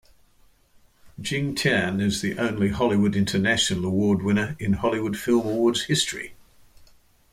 Jing Tian is the only Hollywood International Award winner in Hollywood Film Awards history.